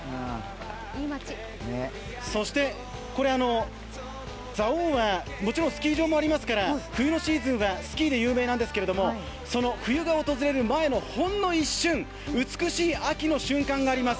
そして蔵王にはもちろんスキー場がありますから冬のシーズンはスキーで有名なんですけれどもその冬が訪れる前のほんの一瞬、美しい秋の瞬間があります。